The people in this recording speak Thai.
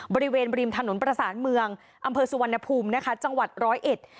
บริเวณริมถนนประสานเมืองอำเภอสุวรรณภูมินะคะจังหวัดร้อยเอ็ด